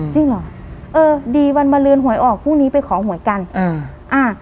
จริงเหรอเออดีวันมาเลือนหวยออกพรุ่งนี้ไปขอหวยกันอ่าอ่า